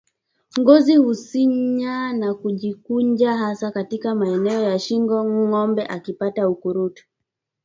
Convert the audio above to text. Ngozi husinyaa na kujikunja hasa katika maeneo ya shingo ngombe akipata ukurutu